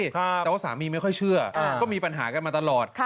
แต่ว่าสามีไม่ค่อยเชื่อก็มีปัญหากันมาตลอด